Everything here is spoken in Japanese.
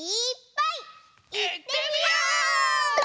いってみよう！